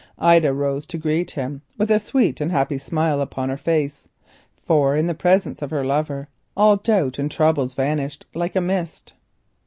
Ida rose to greet him with a sweet and happy smile upon her face, for in the presence of her lover all her doubts and troubles vanished like a mist.